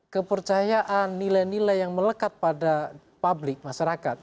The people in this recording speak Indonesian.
kepercayaan nilai nilai yang melekat pada publik masyarakat